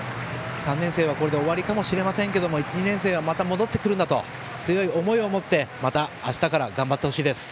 ３年生はこれで終わりかもしれませんが１、２年生はまた戻って来るんだと強い思いを持ってまた明日から頑張ってほしいです。